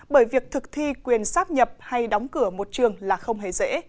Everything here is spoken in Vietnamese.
bởi việc thực thi quyền sáp nhập hay đóng cửa một trường là không hề dễ